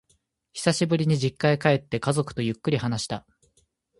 久しぶりに実家へ帰って、家族とゆっくり話した。